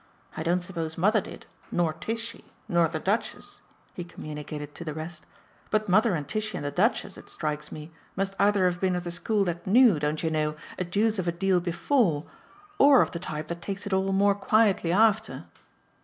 I don't suppose mother did, nor Tishy, nor the Duchess," he communicated to the rest; "but mother and Tishy and the Duchess, it strikes me, must either have been of the school that knew, don't you know? a deuce of a deal before, or of the type that takes it all more quietly after."